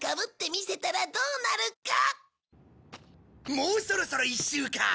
もうそろそろ１周か！